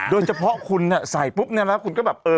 โดยเฉพาะคุณหน้าใส่ปุ๊บนี้แล้วคุณก็แบบ